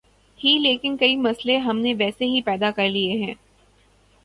ہی لیکن کئی مسئلے ہم نے ویسے ہی پیدا کر لئے ہیں۔